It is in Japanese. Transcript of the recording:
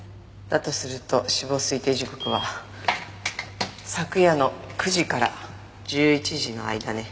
だとすると死亡推定時刻は昨夜の９時から１１時の間ね。